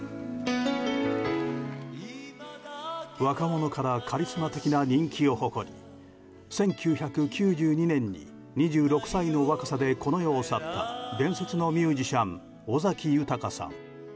若者からカリスマ的な人気を誇り１９９２年に２６歳の若さでこの世を去った伝説のミュージシャン尾崎豊さん。